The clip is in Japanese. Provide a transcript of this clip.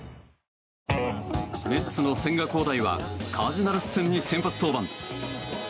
メッツの千賀滉大はカージナルス戦に先発登板。